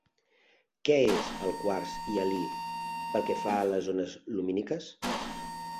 Què és el quars hialí pel que fa a les ones lumíniques?